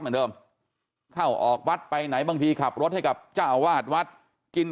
เหมือนเดิมเข้าออกวัดไปไหนบางทีขับรถให้กับเจ้าอาวาสวัดกิน